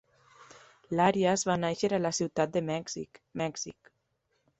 L'Arias va néixer a la ciutat de Mèxic, Mèxic.